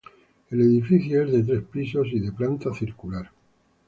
El edificio es de tres pisos y de planta circular.